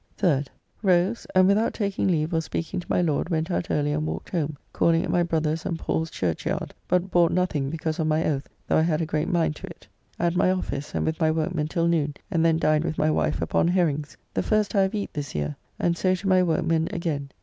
3rd. Rose, and without taking leave or speaking to my Lord went out early and walked home, calling at my brother's and Paul's Churchyard, but bought nothing because of my oath, though I had a great mind to it. At my office, and with my workmen till noon, and then dined with my wife upon herrings, the first I have eat this year, and so to my workmen again.